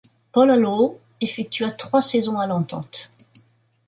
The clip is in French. Paul Alo'o effectua trois saisons à l'Entente.